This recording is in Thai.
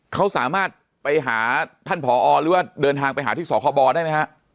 เขาสามารถไปหาท่านผอหรือว่าเดินทางไปหาที่สคบได้ไหมฮะ